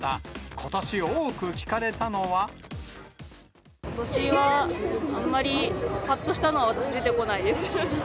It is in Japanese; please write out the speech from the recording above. ことしはあまりぱっとしたのは出てこないです。